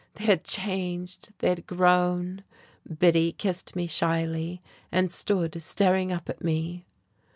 They had changed, they had grown. Biddy kissed me shyly, and stood staring up at me.